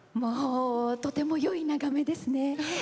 とてもよい眺めですね。